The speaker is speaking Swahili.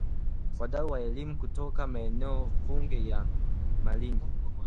"Wadau wa elimu kutoka maeneo bunge ya Malindi